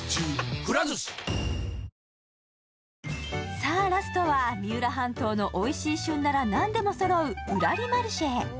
さぁラストは三浦半島のおいしい旬ならなんでもそろううらりマルシェへ。